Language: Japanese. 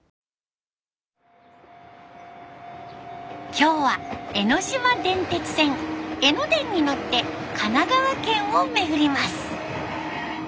今日は江ノ島電鉄線江ノ電に乗って神奈川県を巡ります。